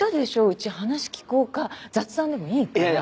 うち「話聞こう科」雑談でもいいから。